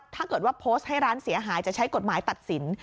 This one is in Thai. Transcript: ถ้าเกิดว่าโพสต์ให้ร้านเสียหายจะใช้กฎหมายตัดสิน